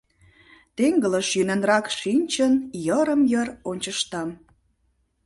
Теҥгылыш йӧнанрак шинчын, йырым-йыр ончыштам.